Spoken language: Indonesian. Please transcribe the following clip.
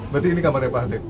berarti ini kamarnya pak atik